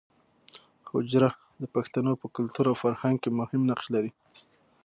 حجره د پښتانو په کلتور او فرهنګ کې مهم نقش لري